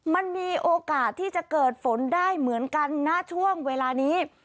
มันมีโอกาสที่จะเกิดฝนได้เหมือนกันณช่วงเวลานี้